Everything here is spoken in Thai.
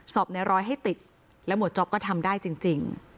ในร้อยให้ติดและหมวดจ๊อปก็ทำได้จริง